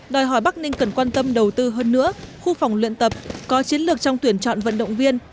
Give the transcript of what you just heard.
đòi hỏi bắc ninh cần quan tâm đầu tư hơn nữa khu phòng luyện tập có chiến lược trong tuyển chọn vận động viên